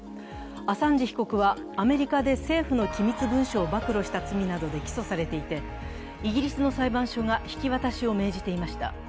アサンジ被告はアメリカで政府の機密文書を暴露した罪などで起訴されていてイギリスの裁判所が引き渡しを命じていました。